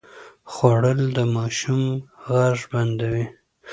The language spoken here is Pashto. خوړل د ماشوم غږ بندوي